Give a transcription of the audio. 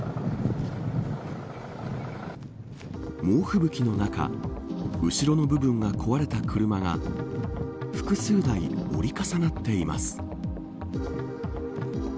猛吹雪の中後ろの部分が壊れた車が複数台、折り重なっています。